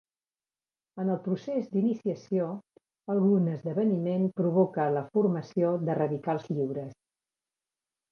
En el procés d'iniciació, algun esdeveniment provoca la formació de radicals lliures.